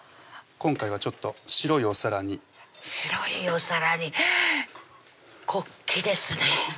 今回は白いお皿に白いお皿に国旗ですね